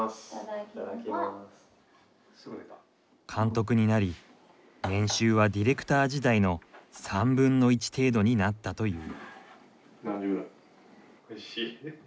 監督になり年収はディレクター時代の３分の１程度になったという。